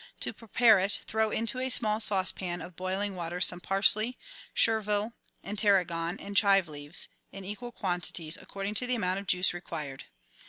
To prepare it, throw into a small saucepan of boiling water some parsley, chervil, and tarragon and chive leaves, in equal quantities, according to the amount of juice required.